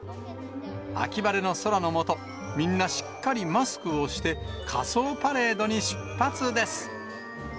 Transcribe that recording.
秋晴れの空の下、みんなしっかりマスクをして、仮装パレードに出発です。